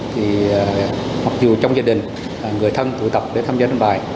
thì mặc dù trong gia đình người thân tụ tập để tham gia đánh bạc